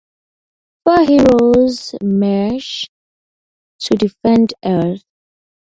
Four heroes emerge to defend Earth.